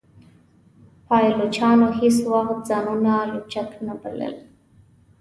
پایلوچانو هیڅ وخت ځانونه لوچک نه بلل.